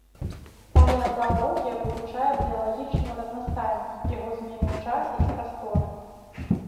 Палеазаалогія вывучае біялагічную разнастайнасць, яго змены ў часе і прасторы.